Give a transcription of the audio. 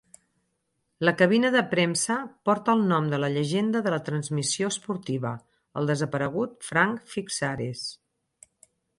La cabina de premsa porta el nom de la llegenda de la transmissió esportiva, el desaparegut Frank Fixaris.